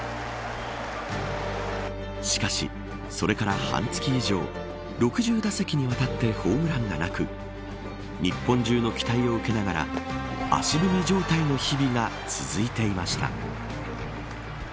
しかし、それから半月以上６０打席にわたってホームランがなく日本中の期待を受けながら足踏み状態の日々が続いていました。